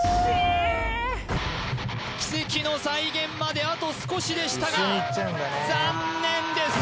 奇跡の再現まであと少しでしたが残念です